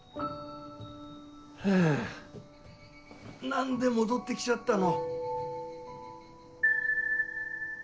ハァ何で戻って来ちゃったの？